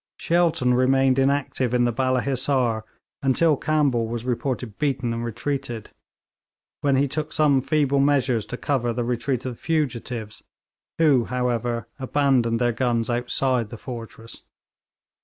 Shelton remained inactive in the Balla Hissar until Campbell was reported beaten and retreating, when he took some feeble measures to cover the retreat of the fugitives, who, however, abandoned their guns outside the fortress.